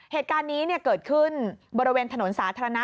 เหตุการณ์นี้เกิดขึ้นบริเวณถนนสาธารณะ